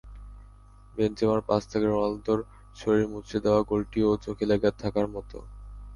বেনজেমার pass থেকে রোনালদোর শরীর মুচড়ে দেওয়া গোলটিও চোখে লেগে থাকার মতো।